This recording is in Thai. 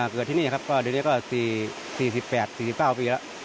เกิดที่นี่ครับก็เดี๋ยวนี้ก็๔๘๔๙ปีแล้ว